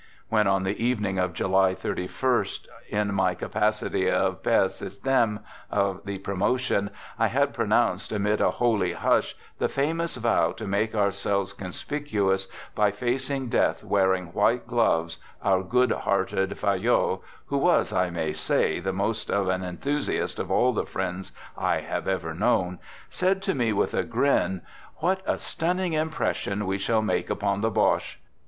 When on the evening of J u ty 3i> in my capacity of " Pere Systeme" of the promotion, I had pronounced amid a holy hush the famous vow to make ourselves conspicuous by facing death wearing white gloves, our good hearted Digitized by THE GOOD SOLDIER Fayolle, who was, I may say, the most of an enthu siast of all the friends I have ever known, said to me with a grin: " What a stunning impression we shall make upon the Bodies!